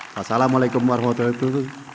wassalamu'alaikum warahmatullahi wabarakatuh